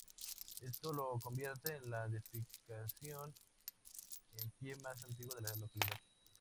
Esto la convierte en la edificación en pie más antigua de la localidad.